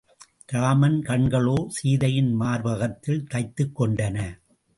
இராமன் கண்களோ சீதையின் மார்பகத்தில் தைத்துக் கொண்டன.